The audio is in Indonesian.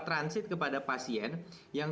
transit kepada pasien yang